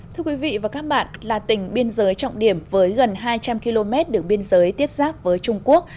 thưa quý vị và các bạn là tỉnh biên giới trọng điểm với gần hai trăm linh km được biên giới tiếp giáp với trung quốc